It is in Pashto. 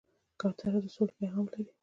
کوتره د سولې پیغام لري.